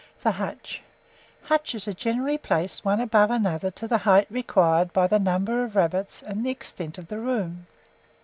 THE HUTCH. Hutches are generally placed one above another to the height required by the number of rabbits and the extent of the room.